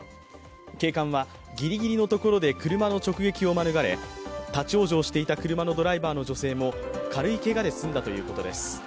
警官はギリギリのところで車の直撃を免れ、立往生していた車のドライバーの女性も軽いけがで済んだということです。